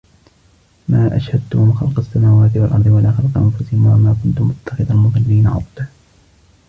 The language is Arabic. مَا أَشْهَدْتُهُمْ خَلْقَ السَّمَاوَاتِ وَالْأَرْضِ وَلَا خَلْقَ أَنْفُسِهِمْ وَمَا كُنْتُ مُتَّخِذَ الْمُضِلِّينَ عَضُدًا